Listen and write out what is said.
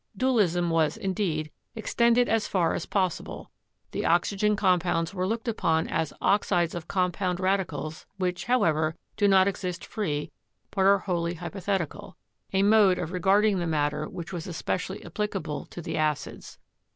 Dualism was, indeed, extended as far as possible ; the oxygen compounds were looked upon as "oxides of compound radicals, which, however, do not exist free, but are wholly hypothetical," a mode of regarding the matter which was especially applicable to the acids.